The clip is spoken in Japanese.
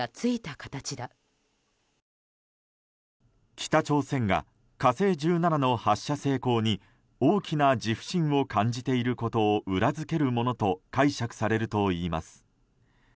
北朝鮮が「火星１７」の発射成功に大きな自負心を感じていることを裏付けるものと解釈されるといいます。